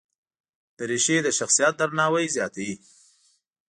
دریشي د شخصیت درناوی زیاتوي.